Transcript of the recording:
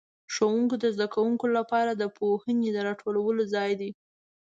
ښوونځي د زده کوونکو لپاره د پوهنې د راټولو ځای دی.